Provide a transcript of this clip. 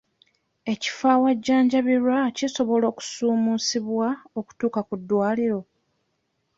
Ekifo awajjanjabirwa kisobola okusuumusibwa okutuuka ku ddwaliro?